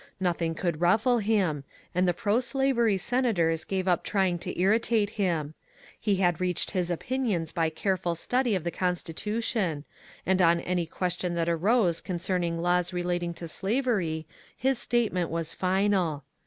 Nothing could raffle him, and the proslavery senators gave up trying to irri tate him. He had reached his opinions by careful study of the Constitution, and on any question that arose concerning laws relating to slavery his statement was final.